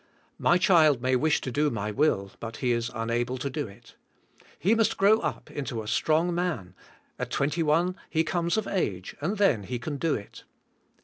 My child may wish to do my will, but he is unable to do it. He must grow up into a strong man, at twenty one he comes of age, and then he can do it.